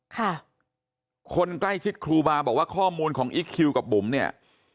คนใกล้ชิดครูบาบอกว่าข้อมูลของอีคคิวกับบุ๋มเนี่ย